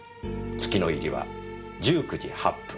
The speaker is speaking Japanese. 月の入りは１９時８分。